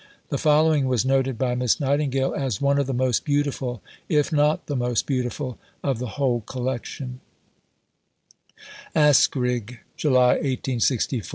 The following was noted by Miss Nightingale as "one of the most beautiful, if not the most beautiful, of the whole collection": ASKRIGG, July .